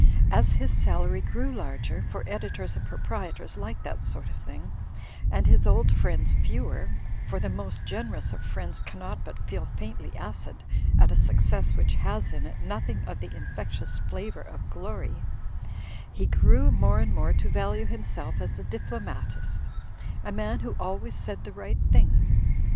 As his salary grew larger (for editors and proprietors like that sort of thing) and his old friends fewer (for the most generous of friends cannot but feel faintly acid at a success which has in it nothing of the infectious flavour of glory) he grew more and more to value himself as a diplomatist; a man who always said the right thing.